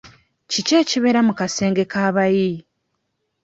Kiki ekibeera mu kasenge k'abayi?